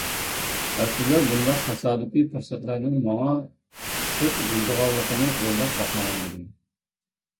ئەسلىدە بۇنداق تاسادىپىي پۇرسەتلەرنىڭ ماڭا قىسىپ بۇزىدىغانلىقىنى ئويلاپمۇ باقمىغان ئىدىم.